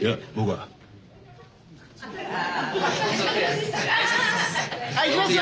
はいいきますよ